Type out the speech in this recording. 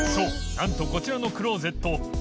なんとこちらのクローゼット轡